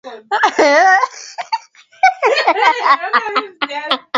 ndivyo ilivyo tutafanyaje na kwa uhakika udini moja kati ya